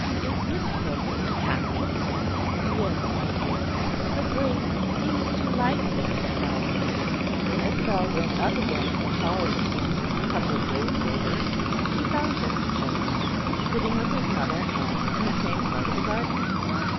"And is Miss Corbet a Catholic?" "Yes, my dear; her Grace seems to like them about her." When Isabel went up again to the Hall in the evening, a couple of days later, she found Mr. James sitting with his mother and aunt in the same part of the garden.